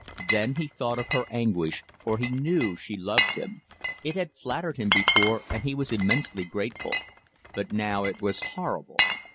Then he thought of her anguish, for he knew she loved him; it had flattered him before, and he was immensely grateful; but now it was horrible.